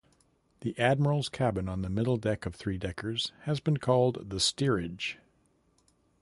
The admiral's cabin on the middle deck of three-deckers has been called the steerage.